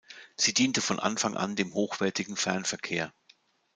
Sie diente von Anfang an dem hochwertigen Fernverkehr.